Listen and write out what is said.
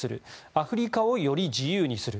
アフリカをより自由にする。